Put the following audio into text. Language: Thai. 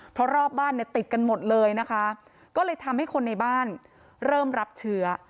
เพราะรอบบ้านเนี่ยติดกันหมดเลยนะคะก็เลยทำให้คนในบ้านเริ่มรับเชื้อ